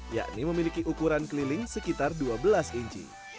yakni memiliki ukuran keliling sekitar dua belas inci